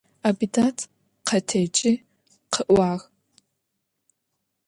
Абидат къэтэджи къыӏуагъ.